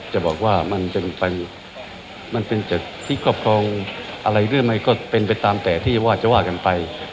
จะบอกว่ามันเป็นจากที่ครอบครองอะไรด้วยไหมก็เป็นไปตามแต่ที่ว่าจะว่ากันไป